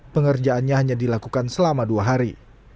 pengerjaannya hanya dilakukan selama dua hari